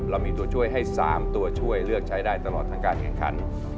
เรามีตัวช่วยให้๓ตัวช่วยเลือกใช้ได้ตลอดทั้งการแข่งขัน